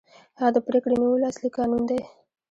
هغه د پرېکړې نیولو اصلي کانون دی.